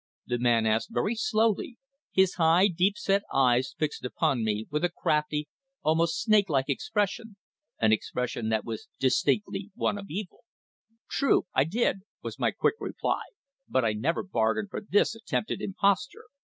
the man asked very slowly, his high, deep set eyes fixed upon me with a crafty, almost snake like expression, an expression that was distinctly one of evil. "True, I did," was my quick reply. "But I never bargained for this attempted imposture."